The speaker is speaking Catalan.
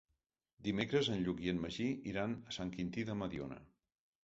Dimecres en Lluc i en Magí iran a Sant Quintí de Mediona.